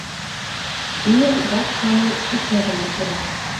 Ийын ваш кылмен шичмыжым вучена.